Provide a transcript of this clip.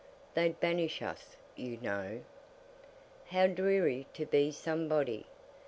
They 'd banish us, you know. How dreary to be somebody!